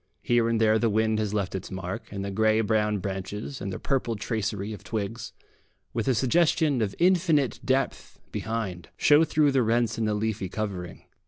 Here and there the wind has left its mark, and the grey brown branches and their purple tracery of twigs, with a suggestion of infinite depth behind, show through the rents in the leafy covering.